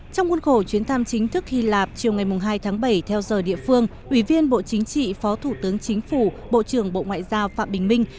trong cuốn khổ chuyến thăm chính thức hy lạp chiều ngày hai tháng bảy theo giờ địa phương ủy viên bộ chính trị phó thủ tướng chính phủ bộ trưởng bộ ngoại giao phạm bình minh